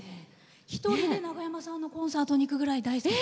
一人で長山さんのコンサートに行くくらい大好きで。